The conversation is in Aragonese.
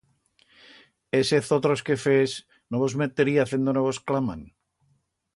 Hésez otros quefers, no vos meteríaz en do no vos claman.